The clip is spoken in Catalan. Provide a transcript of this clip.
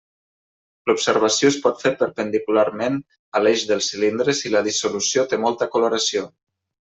L'observació es pot fer perpendicularment a l'eix del cilindre si la dissolució té molta coloració.